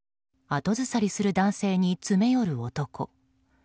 後ずさりする男性に詰め寄る男。